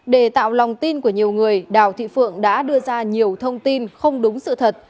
để tạo lòng tin của nhiều người đào thị phượng đã đưa ra nhiều thông tin không đúng sự thật